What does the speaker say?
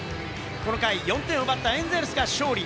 この回、４点を奪ったエンゼルスが勝利。